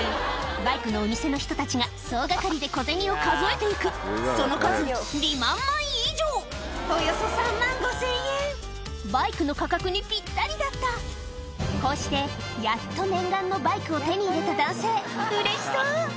バイクのお店の人たちが総がかりで小銭を数えて行くその数２万枚以上バイクの価格にぴったりだったこうしてやっと念願のバイクを手に入れた男性うれしそう！